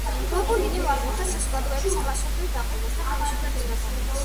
ბაკუნინი უარყოფდა საზოგადოების კლასობრივ დაყოფას და ხელისუფლების ბატონობას.